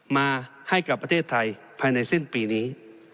มาให้กับประเทศไทยภายในสิ้นปีนี้